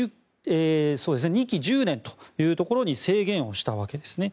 ２期１０年というところに制限をしたわけですね。